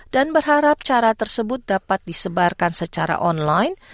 dan berharap cara tersebut dapat disebarkan secara online